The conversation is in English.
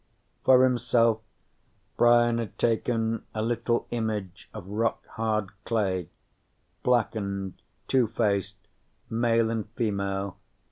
For himself, Brian had taken a little image of rock hard clay, blackened, two faced, male and female.